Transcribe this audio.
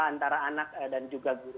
antara anak dan juga guru